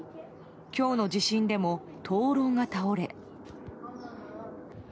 今日の地震でも灯籠が倒れ。